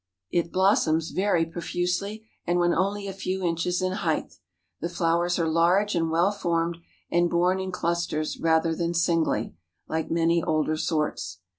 It blossoms very profusely, and when only a few inches in height. The flowers are large and well formed, and borne in clusters rather than singly, like many older sorts.